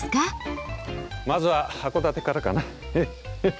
まずは函館からかな。